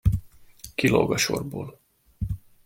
Kilóg a sorból.